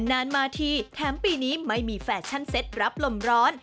นานมาทีแถมปีนี้ไม่มีแฟชั่นเซ็ตรับลมร้อน